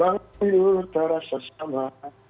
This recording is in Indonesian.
banget tidur terasa sama